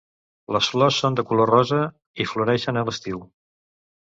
Les flors són de color rosa i floreixen a l'estiu.